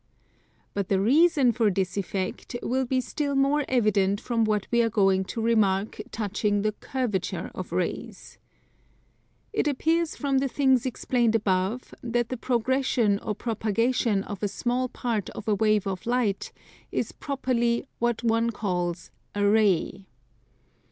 But the reason for this effect will be still more evident from what we are going to remark touching the curvature of rays. It appears from the things explained above that the progression or propagation of a small part of a wave of light is properly what one calls a ray.